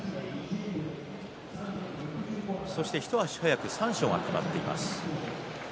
そして、一足早く三賞が決まっています。